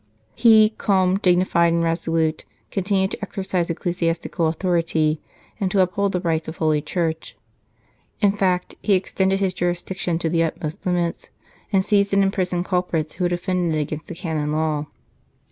He, calm, dignified and resolute, continued to exercise ecclesiastical authority and to uphold the rights of Holy Church. In fact, he extended his jurisdiction to the utmost limits, and seized and imprisoned culprits who had offended against the canon law.